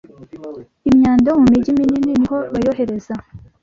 imyanda yo mu mijyi minini niho bayohereza